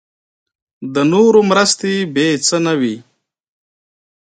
د نورو مرستې بې څه نه وي.